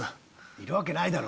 いるわけないだろ。